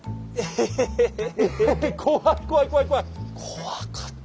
怖かった。